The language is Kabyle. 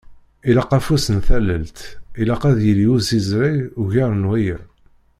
Ilaq afus n tallelt, Ilaq ad yili usiẓreg ugar n waya.